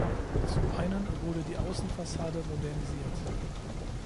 Zum einen wurde die Außenfassade modernisiert.